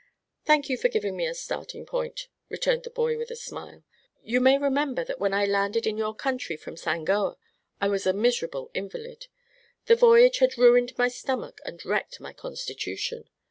"Thank you for giving me a starting point," returned the boy, with a smile. "You may remember that when I landed in your country from Sangoa I was a miserable invalid. The voyage had ruined my stomach and wrecked my constitution.